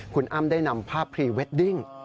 คุณอ้ำได้นำภาพพรีเวดดิ้ง